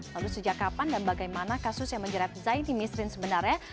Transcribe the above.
lalu sejak kapan dan bagaimana kasus yang menjerat zaini misrin sebenarnya